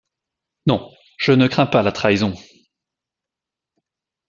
Non ! je ne crains pas la trahison.